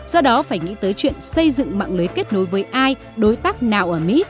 do đó phải nghĩ tới chuyện xây dựng mạng lưới kết nối với ai đối tác nào ở mỹ